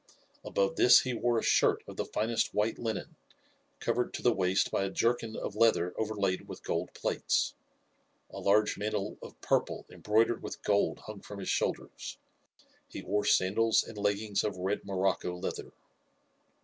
Above this he wore a shirt of the finest white linen, covered to the waist by a jerkin of leather overlaid with gold plates. A large mantle of purple embroidered with gold hung from his shoulders. He wore sandals and leggings of red morocco leather.